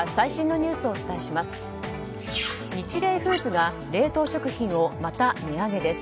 ニチレイフーズが冷凍食品をまた値上げです。